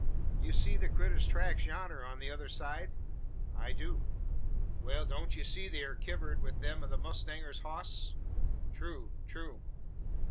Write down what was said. You see the critter's tracks yonner on t'other side?" "I do." "Wal don't ye see they air kivered wi' them o' the mowstanger's hoss?" "True true."